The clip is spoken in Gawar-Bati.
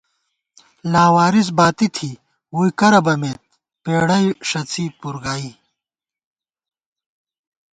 لاوارِث باتی تھی ووئی کرہ بَمېت پېڑَئی ݭڅی پُر گائی